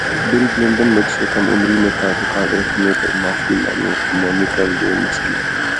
بل Clinton مجھ سے کم عمری میں تعلقات رکھنے پر معافی مانگیں مونیکا لیونسکی